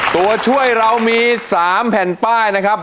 ตัวช่วยเรามี๓แผ่นป้ายนะครับ